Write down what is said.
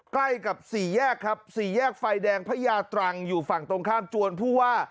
ใกล้กับสี่แยกครับสี่แยกไฟแดงพระยาตรังอยู่ฝั่งตรงข้ามจวนผู้ว่า